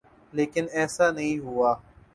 لیکن ایسا نہیں ہوا۔